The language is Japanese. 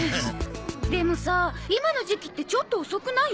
でもさあ今の時期ってちょっと遅くない？